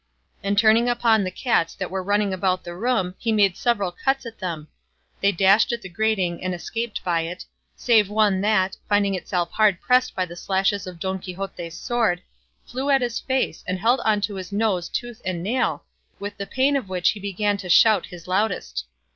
And turning upon the cats that were running about the room, he made several cuts at them. They dashed at the grating and escaped by it, save one that, finding itself hard pressed by the slashes of Don Quixote's sword, flew at his face and held on to his nose tooth and nail, with the pain of which he began to shout his loudest.